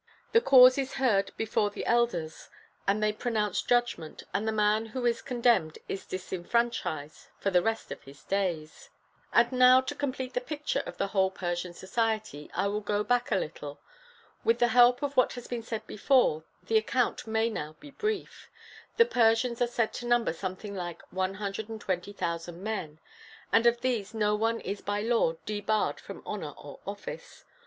The cause is heard before the elders and they pronounce judgment; and the man who is condemned is disenfranchised for the rest of his days. And now, to complete the picture of the whole Persian policy, I will go back a little. With the help of what has been said before, the account may now be brief; the Persians are said to number something like one hundred and twenty thousand men: and of these no one is by law debarred from honour or office.